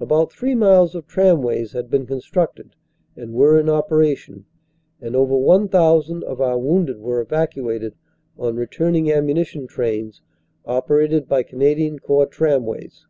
About three miles of tramways had been constructed and were in operation, and over 1,000 of our wounded were evacuated on returning ammunition trains operated by Canadian Corps Tramways.